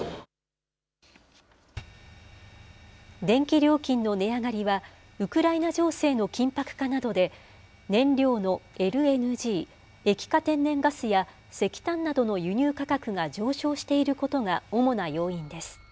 電気料金の値上がりは、ウクライナ情勢の緊迫化などで、燃料のＬＮＧ・液化天然ガスや石炭などの輸入価格が上昇していることが主な要因です。